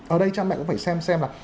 ở đây cha mẹ cũng phải xem xem là